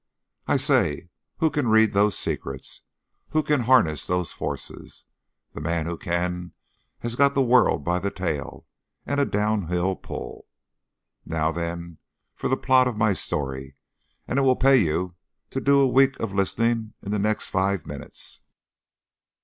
I say who can read those secrets, who can harness those forces? The man who can has got the world by the tail and a downhill pull. Now then, for the plot of my story, and it will pay you to do a week of listening in the next five minutes.